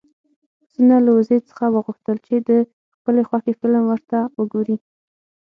پسونه له وزې څخه وغوښتل چې د خپلې خوښې فلم ورته وګوري.